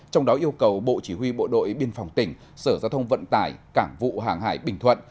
trong đó yêu cầu bộ chỉ huy bộ đội biên phòng tỉnh sở giao thông vận tải cảng vụ hàng hải bình thuận